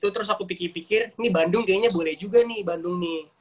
terus aku pikir pikir ini bandung kayaknya boleh juga nih bandung nih